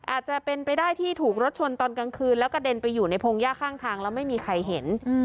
อาจจะเป็นไปได้ที่ถูกรถชนตอนกลางคืนแล้วกระเด็นไปอยู่ในพงหญ้าข้างทางแล้วไม่มีใครเห็น